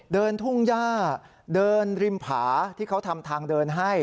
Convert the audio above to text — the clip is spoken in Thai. ทุ่งย่าเดินริมผาที่เขาทำทางเดินให้